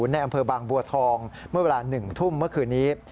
ในอำเภอบางบัวทองเมื่อเวลา๑ทุ่มเมื่อคืนนี้